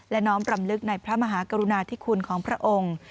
และน้อมรำลึกในพระมหากรุณาธิคุณของพระองค์